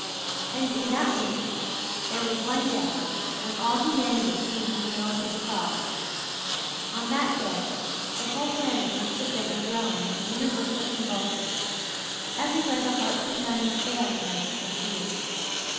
And in that week there was one day when all humanity seemed nailed to the cross; on that day the whole planet must have been agroan with universal convulsion; everywhere the hearts of men were failing them for fear.